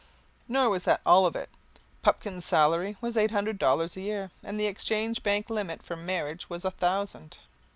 Nor was that all of it. Pupkin's salary was eight hundred dollars a year and the Exchange Bank limit for marriage was a thousand.